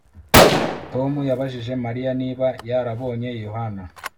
Tom yabajije Mariya niba yarabonye Yohana